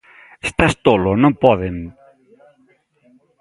_Estás tolo, non poden.